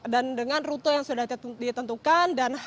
dan dengan rute yang sudah ditentukan